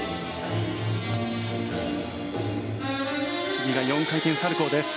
次が４回転サルコウです。